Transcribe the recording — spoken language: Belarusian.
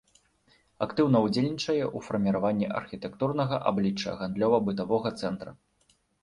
Актыўна ўдзельнічае ў фарміраванні архітэктурнага аблічча гандлёва-бытавога цэнтра.